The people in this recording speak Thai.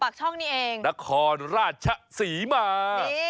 ช่องนี้เองนครราชศรีมา